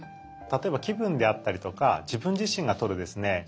例えば気分であったりとか自分自身がとるですね